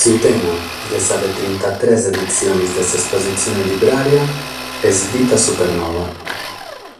Su tema de sa de trintatrès editziones de s’espositzione librària est Vita supernova.